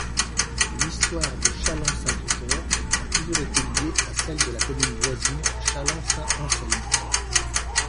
L'histoire de Challand-Saint-Victor a toujours été liée à celle de la commune voisine, Challand-Saint-Anselme.